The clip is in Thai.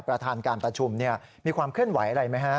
ประธานการประชุมมีความเคลื่อนไหวอะไรไหมฮะ